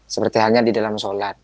seperti halnya di dalam sholat